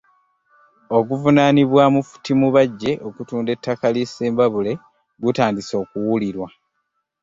Oguvunaanibwa Mufuti Mubajje okutunda ettaka ly'e Ssembabule gutandise okuwulirwa